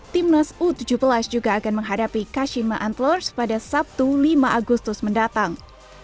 timnas u tujuh belas juga akan menghadapi kashima anthlers pada sabtu lima agustus mendatang